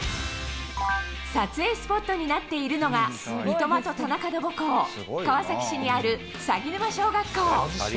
撮影スポットになっているのが、三笘と田中の母校、川崎市にある鷺沼小学校。